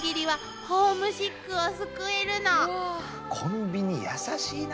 コンビニ優しいな。